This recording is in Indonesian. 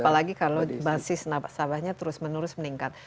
apalagi kalau basis nasabahnya terus menerus meningkat